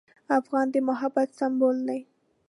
افغان د محبت سمبول دی.